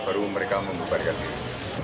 baru mereka memubarkan diri